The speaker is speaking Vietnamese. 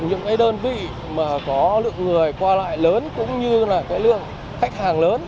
những cái đơn vị mà có lượng người qua lại lớn cũng như là cái lượng khách hàng lớn